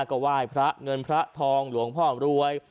ก็ไหว้พระเงินพระทองหลวงพ่อรวย